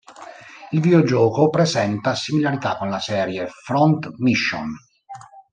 Il videogioco presenta similarità con la serie "Front Mission".